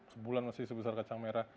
sebulan masih sebesar kacang merah